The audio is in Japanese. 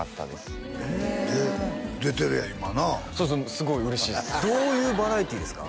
すごい嬉しいっすどういうバラエティーですか？